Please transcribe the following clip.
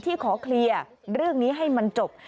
ขอเคลียร์เรื่องนี้ให้มันจบ